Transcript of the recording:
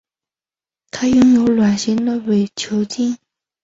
它拥有卵形的伪球茎。